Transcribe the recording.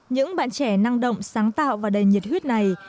những bạn trẻ năng động sáng tạo và đầy nhiệt huyết này